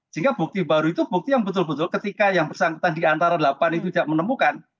sehingga bukti baru itu bukti yang betul betul ketika yang bersangkutan diantara delapan itu tidak menemukan